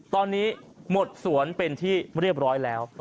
ตอนนี้หมดสวนเป็นที่เรียบร้อยแล้ว